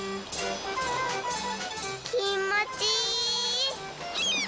きもちいい！